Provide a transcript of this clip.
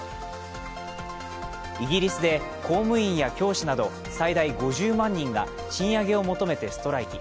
イギリスで、公務員や教師など最大５０万人が賃上げを求めてストライキ。